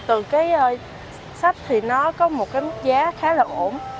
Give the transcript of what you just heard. tôi thấy hội sách này khá là bổ ích từ cái sách thì nó có một cái mức giá khá là ổn